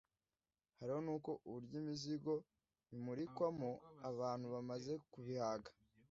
harimo n’uko uburyo imizingo imurikwamo abantu bamaze kubihaga